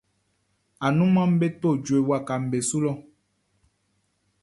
Anumanʼm be to djue wakaʼm be su lɔ.